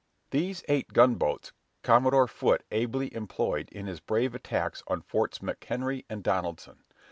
These eight gunboats, Commodore Foote ably employed in his brave attacks on Forts McHenry and Donaldson.